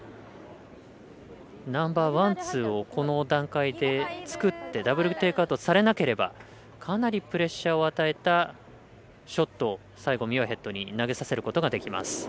ナンバーワン、ツーをこの段階で作って、ダブル・テイクアウトされなければかなりプレッシャーを与えたショットを最後、ミュアヘッドに投げさせることができます。